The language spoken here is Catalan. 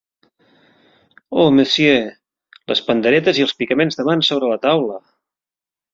Oh, monsieur, les panderetes i els picaments de mans sobre la taula!